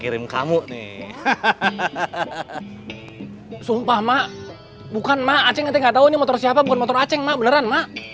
kirim kamu nih hahaha sumpah mak bukan mak aja nggak tahu motor siapa motor aceh mak beneran